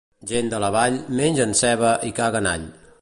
Gent de la Vall mengen ceba i caguen all.